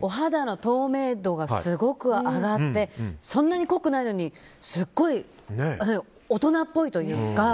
お肌の透明度がすごく上がってそんなに濃くないのにすごい大人っぽいというか。